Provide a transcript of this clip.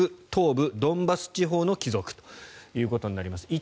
東部ドンバス地方の帰属ということになります。